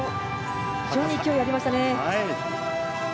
非常に勢いがありました。